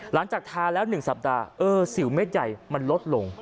หลังจากทาแล้ว๑สัปดาห์เออสิวเม็ดใหญ่มันลดลง